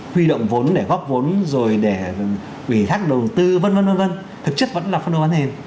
huy động vốn để góp vốn rồi để ủy thác đầu tư vân vân vân vân thật chất vẫn là phân đồ bán nền